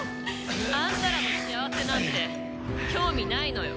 あんたらの幸せなんて興味ないのよ。